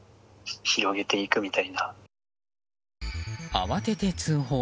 慌てて通報。